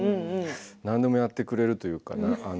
何でもやってくれるというか。